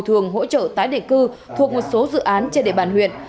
yến đã đồng hồ thường hỗ trợ tái định cư thuộc một số dự án trên địa bàn huyện